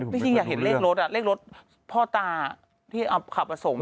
แต่พี่อยากเห็นเลขรถอะเลขรถพ่อตาที่เอาขับมาส่ง